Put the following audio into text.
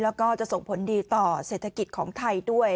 แล้วก็จะส่งผลดีต่อเศรษฐกิจของไทยด้วย